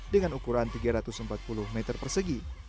dengan ukuran tiga ratus empat puluh meter persegi